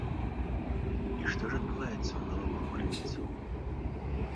І што ж адбываецца ў галовах украінцаў?